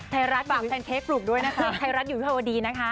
ไทรัสอยู่ที่ภาวดีนะคะ